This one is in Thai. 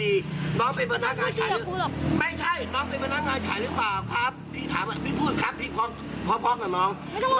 พี่พูดครับพี่พอพร้อมกับน้อง